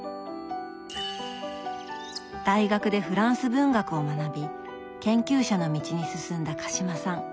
大学でフランス文学を学び研究者の道に進んだ鹿島さん。